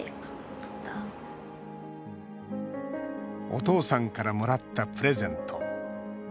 お父さんからもらったプレゼント。